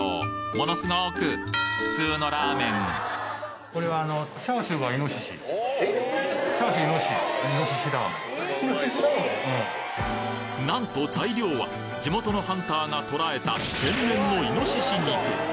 ものすごく普通のラーメンなんと材料は地元のハンターが捕らえた天然のイノシシ肉